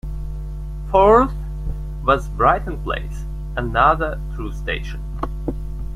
Fourth was Brighton Place, another through-station.